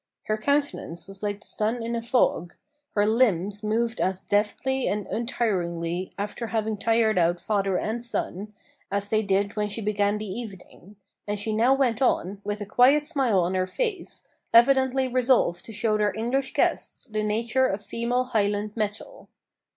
Her countenance was like the sun in a fog; her limbs moved as deftly and untiringly, after having tired out father and son, as they did when she began the evening; and she now went on, with a quiet smile on her face, evidently resolved to show their English guests the nature of female Highland metal.